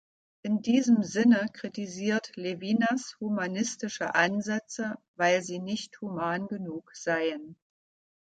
In diesem Sinne kritisiert Levinas „humanistische“ Ansätze, weil sie „nicht human genug“ seien.